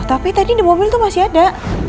tapi tadi di mobil itu masih ada